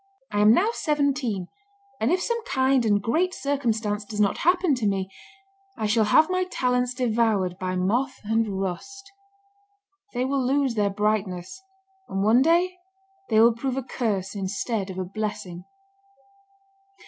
I am now seventeen, and if some kind and great circumstance does not happen to me, I shall have my talents devoured by moth and rust. They will lose their brightness, and one day they will prove a curse instead of a blessing."